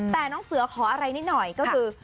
แต่น้องเสือขออะไรนิดหน่อยก็คือ